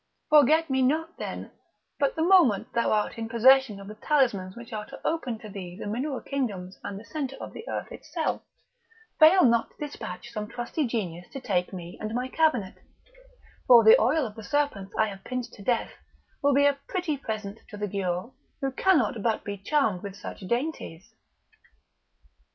Forget me not, then, but the moment thou art in possession of the talismans which are to open to thee the mineral kingdoms and the centre of the earth itself, fail not to despatch some trusty genius to take me and my cabinet, for the oil of the serpents I have pinched to death will be a pretty present to the Giaour, who cannot but be charmed with such dainties."